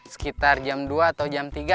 sekitar jam dua atau jam tiga